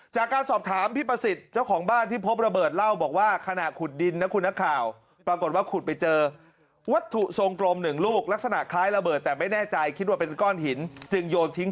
จากการสอบถามพี่ประสิทธิ์